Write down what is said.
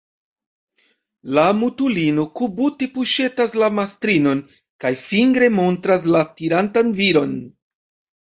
La mutulino kubute puŝetas la mastrinon kaj fingre montras la tirantan viron.